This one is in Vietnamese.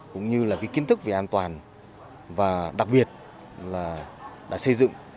cũng như kiến thức về an toàn và đặc biệt là đã xây dựng